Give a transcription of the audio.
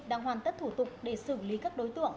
đang hoàn tất thủ tục để xử lý các đối tượng